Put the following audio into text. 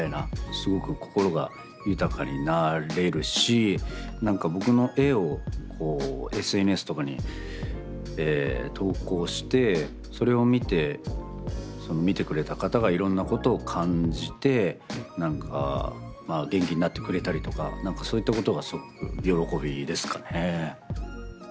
すごく心が豊かになれるしなんか僕の絵をこうＳＮＳとかに投稿してそれを見て見てくれた方がいろんなことを感じてなんか元気になってくれたりとかなんかそういったことがすごく喜びですかね。